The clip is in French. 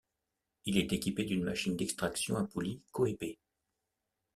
Il est équipé d'une machine d'extraction à poulie Koepe.